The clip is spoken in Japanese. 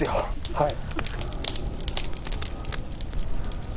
はい。